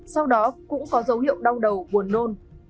sau đó cũng có dấu hiệu đau đầu buồn nôn